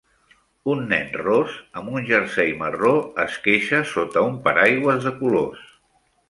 Un nen ros amb un jersei marró es queixa sota un paraigües de colors.